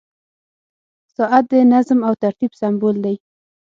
• ساعت د نظم او ترتیب سمبول دی.